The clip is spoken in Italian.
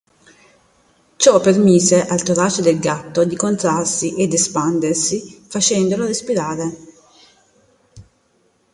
Ciò permise al torace del gatto di contrarsi ed espandersi facendolo respirare.